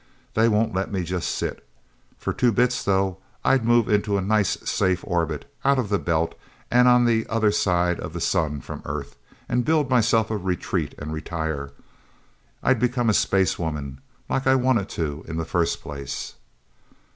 They won't let me just sit... For two bits, though, I'd move into a nice, safe orbit, out of the Belt and on the other side of the sun from the Earth, and build myself a retreat and retire. I'd become a spacewoman, like I wanted to, in the first place."